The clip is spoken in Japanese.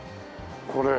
これ。